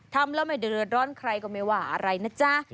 ทำแล้วไม่เดือดร้อนใครก็ไม่ว่าอะไรนะจ๊ะ